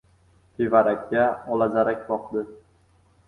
Tevarakka olazarak boqdi.